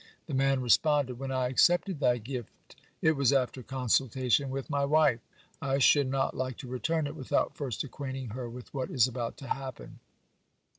The man responded: "When I accepted thy gift, it was after consultation with my wife. I should not like to return it without first acquainting her with what is about to happen."